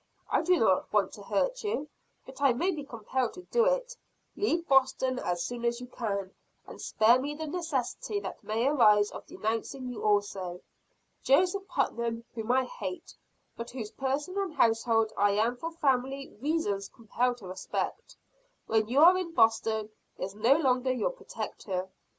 I do not want to hurt you; but I may be compelled to do it. Leave Boston as soon as you can, and spare me the necessity that may arise of denouncing you also. Joseph Putnam, whom I hate, but whose person and household I am for family reasons compelled to respect, when you are in Boston is no longer your protector.